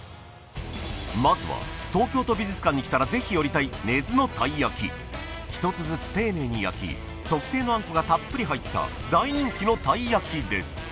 まずは東京都美術館に来たらぜひ寄りたい１つずつ丁寧に焼き特製のあんこがたっぷり入った大人気のたいやきです